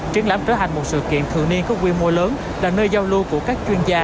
đây là một sự kiện thượng niên có quy mô lớn là nơi giao lưu của các chuyên gia